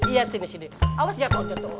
iya sini sini awas jatuh